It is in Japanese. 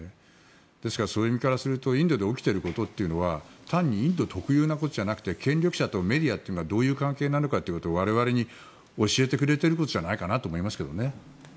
ですからそういう意味からするとインドで起きていることは単にインド特有なことじゃなくて権力者とメディアというのはどういう関係なのかというのを我々に教えてくれてるんじゃないかなと思いますけどね。